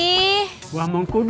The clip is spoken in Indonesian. sakit punggung pak odi